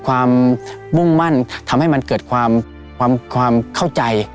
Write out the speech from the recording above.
ความเข้าใจ